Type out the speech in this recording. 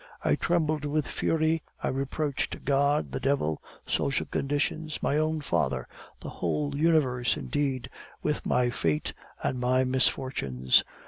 I trembled with fury, I reproached God, the devil, social conditions, my own father, the whole universe, indeed, with my fate and my misfortunes.